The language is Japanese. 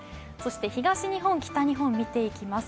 東日本、北日本を見ていきます。